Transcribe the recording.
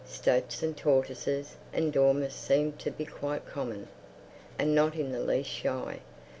Stoats and tortoises and dormice seemed to be quite common, and not in the least shy.